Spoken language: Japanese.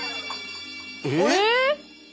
えっ！？